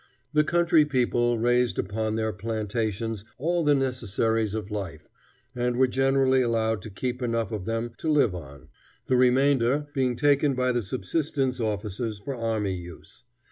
The country people raised upon their plantations all the necessaries of life, and were generally allowed to keep enough of them to live on, the remainder being taken by the subsistence officers for army use.